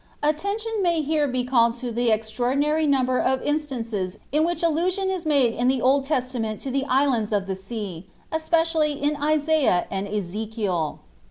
Attention may here be called to the extraordinary number of instances in which allusion is made in the Old Testament to the "islands of the sea," especially in Isaiah and Ezekiel.